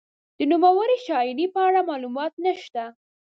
د نوموړې شاعرې په اړه معلومات نشته.